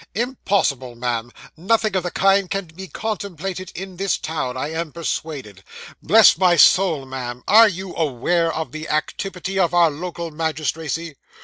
'Impossible, ma'am; nothing of the kind can be contemplated in this town, I am persuaded. Bless my soul, ma'am, are you aware of the activity of our local magistracy?